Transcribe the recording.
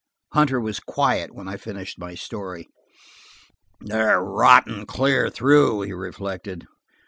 Hunter was quiet when I finished my story. "They're rotten clear through," he reflected.